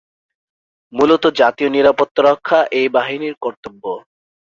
মূলত জাতীয় নিরাপত্তা রক্ষা এই বাহিনীর কর্তব্য।